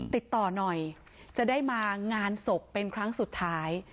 ติดต่อหน่อยจะได้มางานศพเป็นครั้งสุดท้าย